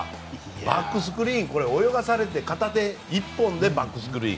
バックスクリーン泳がされて片手１本でバックスクリーン。